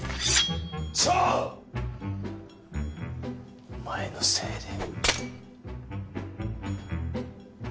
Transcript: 翔！お前のせいで。